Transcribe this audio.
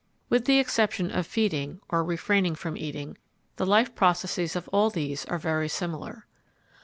With the exception of feeding or refraining from eating, the life processes of all these are very similar.